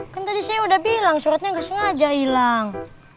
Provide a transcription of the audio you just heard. kan tadi saya udah bilang suratnya ga sengaja ilang